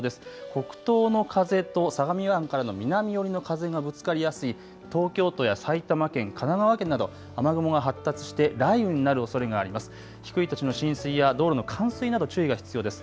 北東の風と相模湾からの南寄りの風がぶつかりやすい東京都や埼玉県、神奈川県など雨雲が発達して雷雨になるおそれがあります。